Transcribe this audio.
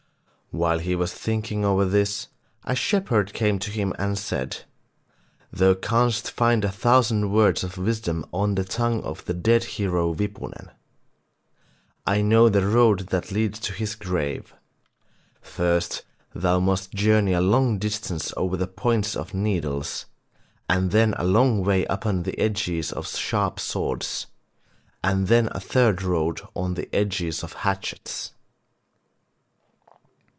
While he was thinking over this, a shepherd came to him and said: 'Thou canst find a thousand words of wisdom on the tongue of the dead hero Wipunen. I know the road that leads to his grave: first, thou must journey a long distance over the points of needles, and then a long way upon the edges of sharp swords, and then a third road on the edges of hatchets.'